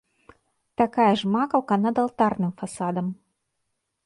Такая ж макаўка над алтарным фасадам.